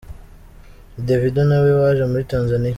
I , Davido na Waje muri Tanzania.